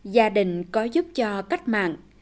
gia đình có giúp cho cách mạng